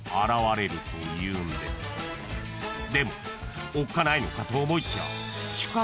［でもおっかないのかと思いきや］